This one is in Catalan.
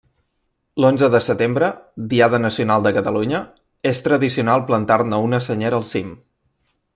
L'onze de setembre, Diada Nacional de Catalunya, és tradicional plantar-ne una senyera al cim.